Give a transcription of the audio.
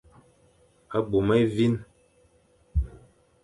Bôm évîn.